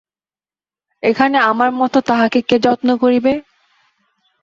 এখানে আমার মত তাঁহাকে কে যত্ন করিবে?